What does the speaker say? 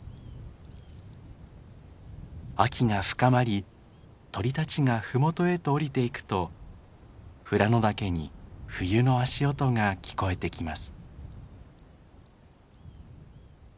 秋が深まり鳥たちが麓へと下りていくと富良野岳に冬の足音が聞こえてきます。